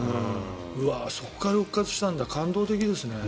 そこから復活したんだ感動的ですね。